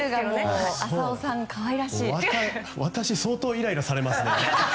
私なら相当イライラされますね。